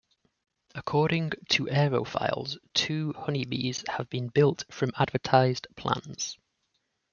According to Aerofiles two Honeybees have been built from advertised plans.